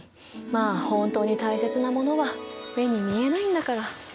まあ本当に大切なものは目に見えないんだから！